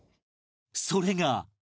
それが